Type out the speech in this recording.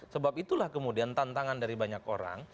sebab itulah kemudian tantangan dari banyak orang